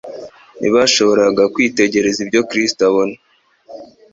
Ntibashoboraga kwitegereza ibyo Kristo abona.